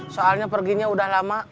soalnya perginya udah lama